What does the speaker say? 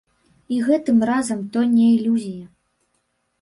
І гэтым разам то не ілюзія.